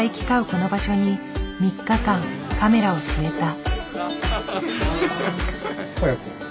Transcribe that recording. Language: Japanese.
この場所に３日間カメラを据えた。